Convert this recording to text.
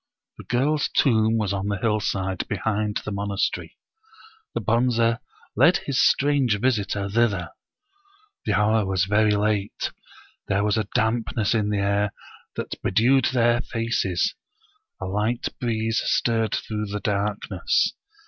The girl's tomb was on the hillside, behind the monas tery. The Bonze led his strange visitor thither. The hour was very late; there was a dampness in the air that be dewed their faces ; a light breeze stirred through the dark ness.